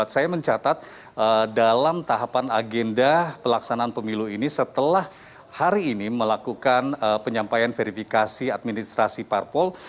saya mencatat dalam tahapan agenda pelaksanaan pemilu ini setelah hari ini melakukan penyampaian verifikasi administrasi parpol